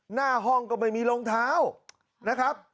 หน้าห้องก็ไม่มีรองเท้านะครับ